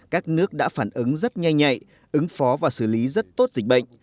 các nước đã phản ứng rất nhanh nhạy ứng phó và xử lý rất tốt dịch bệnh